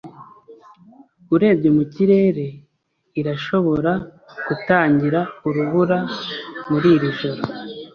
Urebye mu kirere, irashobora gutangira urubura muri iri joro.